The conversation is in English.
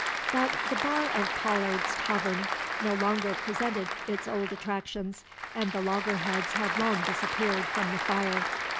But the bar of Pollard's Tahvern no longer presented its old attractions, and the loggerheads had long disappeared from the fire.